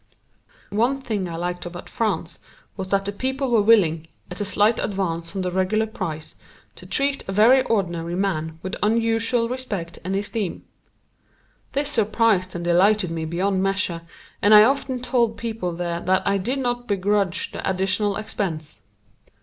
One thing I liked about France was that the people were willing, at a slight advance on the regular price, to treat a very ordinary man with unusual respect and esteem. This surprised and delighted me beyond measure, and I often told people there that I did not begrudge the additional expense.